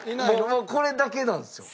もうこれだけなんですよ。